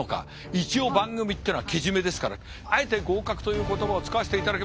一応番組ってのはけじめですからあえて合格という言葉を使わせていただきます。